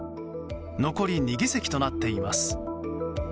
残り２議席となっています。